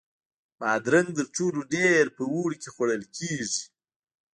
بادرنګ تر ټولو ډېر په اوړي کې خوړل کېږي.